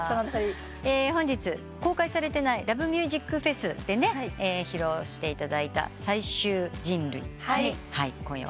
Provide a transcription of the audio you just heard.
本日公開されてない「ＬＯＶＥＭＵＳＩＣＦＥＳ」で披露していただいた『最終人類』今夜はフルサイズで。